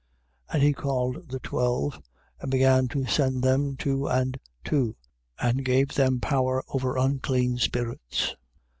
6:7. And he called the twelve; and began to send them two and two, and gave them power over unclean spirits.